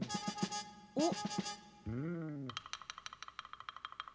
おっ？